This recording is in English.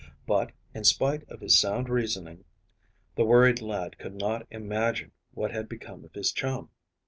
But, in spite of his sound reasoning, the worried lad could not imagine what had become of his chum.